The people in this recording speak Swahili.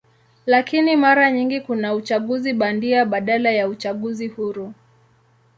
Lakini mara nyingi kuna uchaguzi bandia badala ya uchaguzi huru.